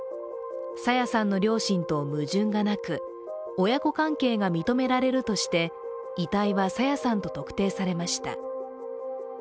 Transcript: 朝芽さんの両親と矛盾がなく親子関係と認められるとして遺体は朝芽さんと特定されました。